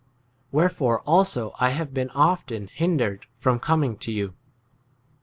Where fore also I have been often hin 23 dered from coming to you.